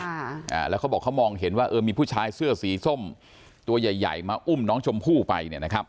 แต่เขาบอกเขามองเห็นว่ามีผู้ชายเสื้อสีส้มตัวใหญ่มาอุ้มน้องชมผู้ไป